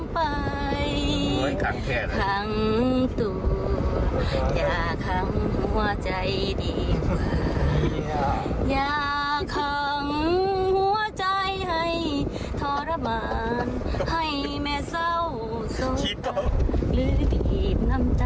บกรมปรบ